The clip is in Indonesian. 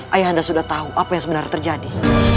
ayah anda sudah tahu apa yang sebenarnya terjadi